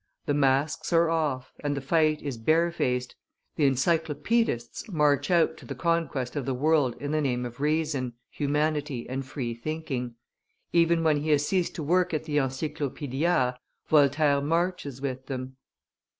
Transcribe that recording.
The masks are off, and the fight is barefaced; the encyclopaedists march out to the conquest of the world in the name of reason, humanity, and free thinking; even when he has ceased to work at the Encyclopaedia, Voltaire marches with them.